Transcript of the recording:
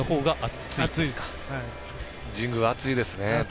神宮、暑いですね。